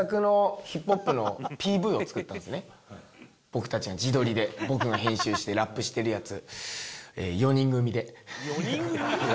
僕たちが自撮りで僕が編集してラップしてるやつ。